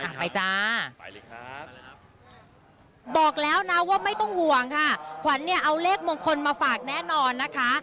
ไปจ้าไปเลยครับบอกแล้วนะว่าไม่ต้องห่วงค่ะขวัญเนี่ยเอาเลขมงคลมาฝากแน่นอนนะคะ